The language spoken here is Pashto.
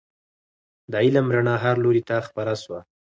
د علم رڼا هر لوري ته خپره سوه.